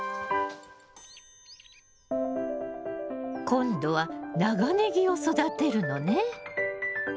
今度は長ネギを育てるのね。